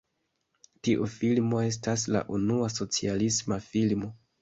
Tiu filmo estas la unua "socialisma filmo".